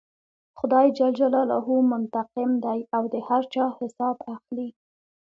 خدای جل جلاله منتقم دی او د هر چا حساب اخلي.